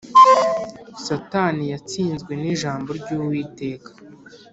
Satani yatsinzwe n’ijambo ry’uwiteka